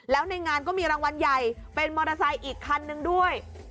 แล้วในงานก็มีรางวัลใหญ่เป็นมอเตอร์ไซค์อีกคันนึงด้วย